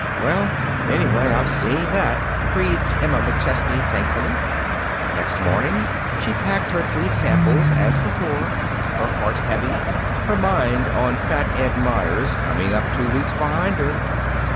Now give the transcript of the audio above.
"Well, anyway, I've seen that," breathed Emma McChesney thankfully. Next morning, she packed her three samples, as before, her heart heavy, her mind on Fat Ed Meyers coming up two weeks behind her.